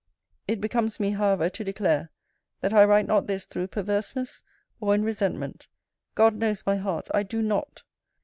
It becomes me, however, to declare, that I write not this through perverseness, or in resentment. God knows my heart, I do not!